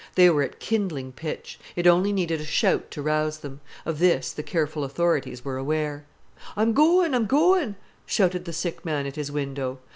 They were at kindling pitch. It only needed a shout to rouse them. Of this the careful authorities were aware. "I'm goin', I'm goin'!" shouted the sick man at his window.